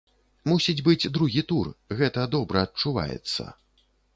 Мусіць быць другі тур, гэта добра адчуваецца.